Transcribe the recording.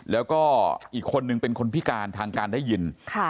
แล้วก็อีกคนนึงเป็นคนพิการทางการได้ยิน